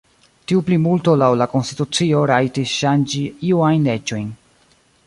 Tiu plimulto laŭ la konstitucio rajtis ŝanĝi iu ajn leĝojn.